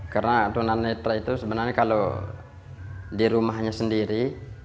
karena tuna netra itu sebenarnya kalau di rumahnya sendiri